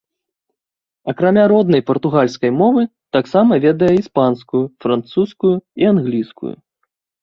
Акрамя роднай партугальскай мовы таксама ведае іспанскую, французскую і англійскую.